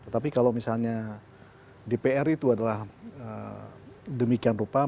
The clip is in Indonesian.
tapi kalau misalnya dpr itu adalah demikian rupa